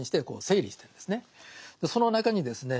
その中にですね